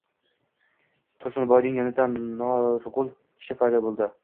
Tursunboyning yonida norg‘ul kishi paydo bo‘ldi.